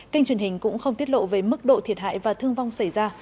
kênh truyền hình cũng không tiết lộ về mức độ thiệt hại và thương vong xảy ra